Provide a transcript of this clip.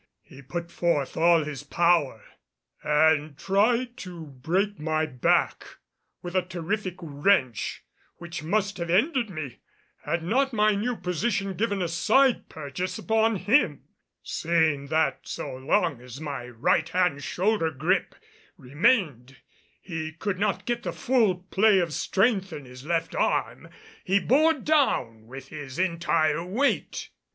He put forth all his power and tried to break my back with a terrific wrench which must have ended me had not my new position given a side purchase upon him. Seeing that so long as my right hand shoulder gripe remained he could not get the full play of strength in his left arm, he bore down with his entire weight.